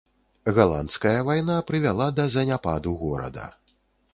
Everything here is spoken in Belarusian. Галандская вайна прывяла да заняпаду горада.